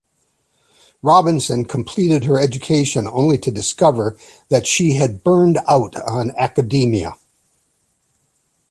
Robinson completed her education only to discover that she had "burned out" on academia.